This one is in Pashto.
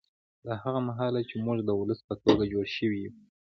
له هغه مهاله چې موږ د ولس په توګه جوړ شوي یو